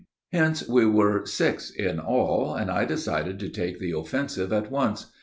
Hence we were six in all, and I decided to take the offensive at once.